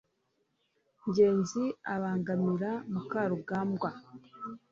ngenzi abangamira mukarugambwa (amastan